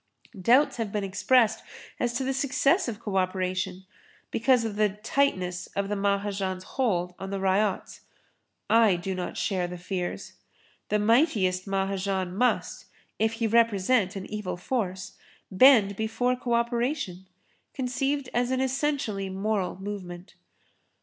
Doubts have been expressed as to the success of co operation because of the tightness of the Mahajan's hold on the ryots. I do not share the fears. The mightiest Mahajan must, if he represent an evil force, bend before co operation, conceived as an essentially moral movement.